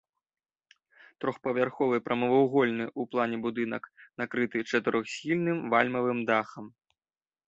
Трохпавярховы прамавугольны ў плане будынак накрыты чатырохсхільным вальмавым дахам.